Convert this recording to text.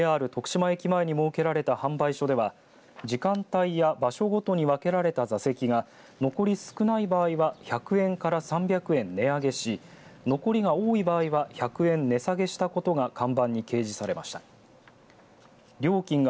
ＪＲ徳島駅前に設けられた販売所では時間帯や場所ごとに分けられた座席が残り少ない場合は１００円から３００円値上げし残りが多い場合は１００円値下げしたことが看板に掲示されました。